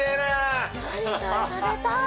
何それ、食べたい！